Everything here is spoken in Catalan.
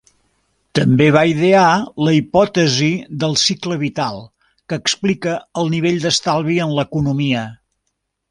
També va idear la hipòtesi del cicle vital que explica el nivell d'estalvi en l'economia.